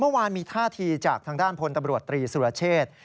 เมื่อวานมีท่าทีจากทางด้านพลตำรวจตรีสุรเชษ